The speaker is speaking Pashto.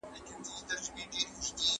غوسه د دې سبب کېږي چې فکرونه ځواکمن ښکاري.